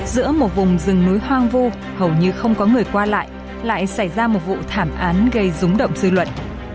giữa một vùng rừng núi hoang vu hầu như không có người qua lại lại xảy ra một vụ thảm án gây rúng động dư luận